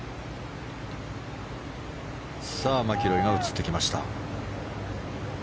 マキロイが映ってきました。